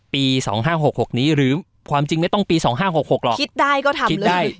ปีสองห้าหกหกนี้หรือความจริงไม่ต้องปีสองห้าหกหกหรอกคิดได้ก็ทำเลย